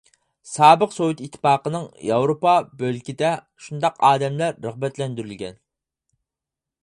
سابىق سوۋېت ئىتتىپاقىنىڭ ياۋروپا بۆلىكىدە شۇنداق ئادەملەر رىغبەتلەندۈرۈلگەن.